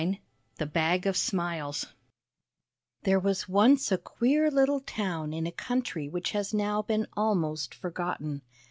104 The Bag of Smiles 'HERE was once a queer little town in a country which has now been almost forgotten.